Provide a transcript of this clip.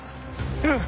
うん。